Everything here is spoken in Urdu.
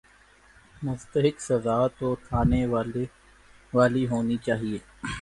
مستحق سزا تو تھانے والی ہونی چاہیے۔